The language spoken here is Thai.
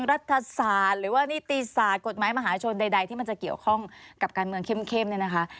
รัฐศาสตร์หรือว่านิติศาสตร์กฎหมายมหาชนใดที่มันจะเกี่ยวข้องกับการเมืองเข้มเนี่ยนะคะ